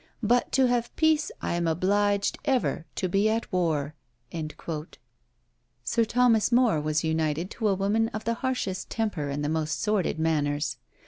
But to have peace I am obliged ever to be at war." Sir Thomas More was united to a woman of the harshest temper and the most sordid manners.